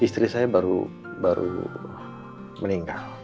istri saya baru meninggal